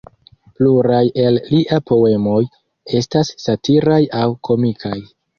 Pluraj el lia poemoj estas satiraj aŭ komikaj.